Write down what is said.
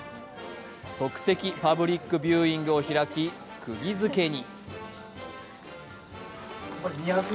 即席パブリックビューイングを開、くぎづけに。